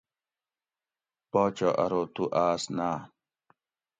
باچہ ارو تُو آۤس ناۤم